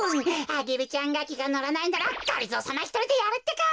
アゲルちゃんがきがのらないならがりぞーさまひとりでやるってか！